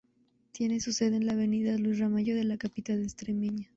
Tiene su sede en la Avenida Luis Ramallo de la capital extremeña.